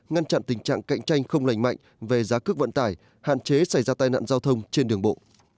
ngăn chặn tình trạng cạnh tranh không lành mạnh về giá cước vận tải hạn chế xảy ra tai nạn giao thông trên đường bộ